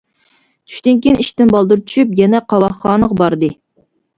چۈشتىن كېيىن ئىشتىن بالدۇر چۈشۈپ، يەنە قاۋاقخانىغا باردى.